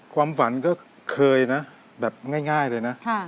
ความฝันก็เคยนะแบบง่ายเลยนะ